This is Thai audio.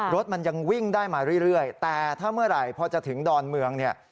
รถมันยังวิ่งได้มาเรื่อยแต่ถ้าเมื่อไหร่พอจะถึงดอนเมืองเนี่ย